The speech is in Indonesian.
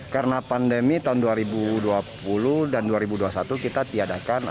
karena pandemi tahun dua ribu dua puluh dan dua ribu dua puluh satu kita tiadakan